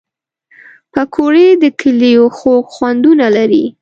پکورې د کلیو خوږ خوندونه لري